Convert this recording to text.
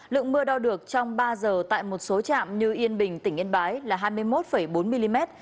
lượng mưa đo được trong ba giờ tại một số trạm như yên bình tỉnh yên bái là hai mươi một bốn mm